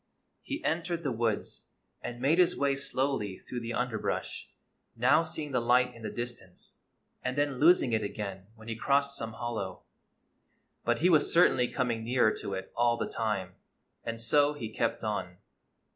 He entered the woods, and made his way slowly through the underbrush, now seeing the light in the distance, and then losing it again when he crossed some hollow. But he was cer tainly coming nearer to it all the time, and so he kept on.